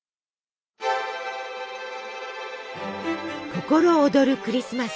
心躍るクリスマス！